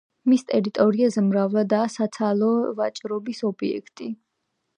მის ტერიტორიაზე მრავლადაა საცალო ვაჭრობის ობიექტი.